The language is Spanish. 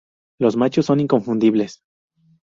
Los machos son inconfundibles.